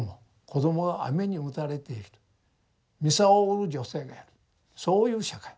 子どもが雨に打たれている操を売る女性がいるそういう社会。